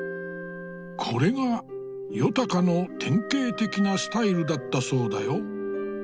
これが夜鷹の典型的なスタイルだったそうだよ。